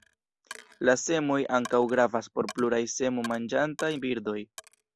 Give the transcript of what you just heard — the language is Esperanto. La semoj ankaŭ gravas por pluraj semo-manĝantaj birdoj.